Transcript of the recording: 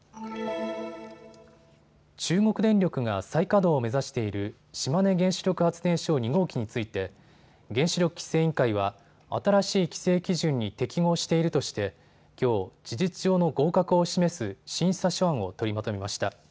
中国電力が再稼働を目指している島根原子力発電所２号機について原子力規制委員会は新しい規制基準に適合しているとしてきょう、事実上の合格を示す審査書案を取りまとめました。